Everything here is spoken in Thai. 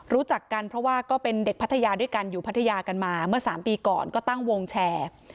รู้จักกันเพราะว่าก็เป็นเด็กพัทยาด้วยกันอยู่พัทยากันมาเมื่อ๓ปีก่อนก็ตั้งวงแชร์